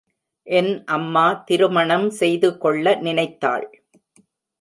என் அம்மா திருமணம் செய்து கொள்ள நினைத்தாள்.